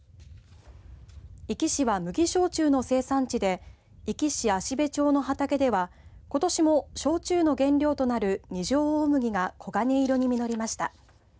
壱岐市は麦焼酎の生産地で壱岐市芦辺町の畑では、ことしも焼酎の原料となる二条大麦が黄金色に実りました。